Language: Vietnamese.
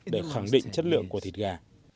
để khẳng định chất lượng của thịt gà